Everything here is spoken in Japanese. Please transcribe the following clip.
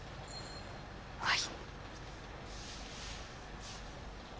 はい。